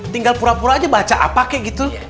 tinggal pura pura aja baca apa kayak gitu